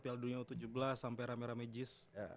piala dunia u tujuh belas sampai rame rame jis